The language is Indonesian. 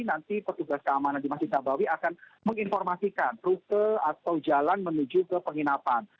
nanti petugas keamanan di masjid nabawi akan menginformasikan rute atau jalan menuju ke penginapan